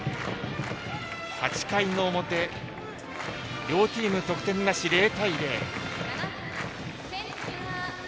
８回の表、両チーム得点なし０対０。